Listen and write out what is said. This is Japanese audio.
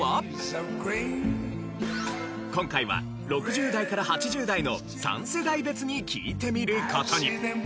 今回は６０代から８０代の３世代別に聞いてみる事に。